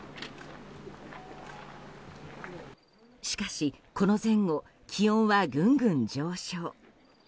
しかし、この前後気温はぐんぐん上昇。